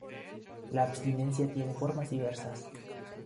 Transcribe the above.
La abstinencia tiene formas diversas.